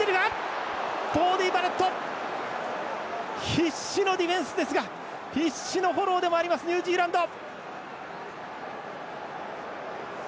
必死のディフェンスですが必死のフォローでもありますニュージーランド！